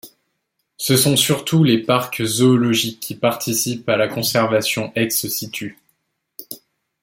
Ce sont surtout les parcs zoologiques qui participent à la conservation ex situ.